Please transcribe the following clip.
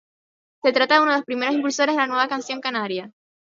Se trata de uno de los primeros impulsores de la Nueva Canción Canaria.